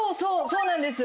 そうなんです。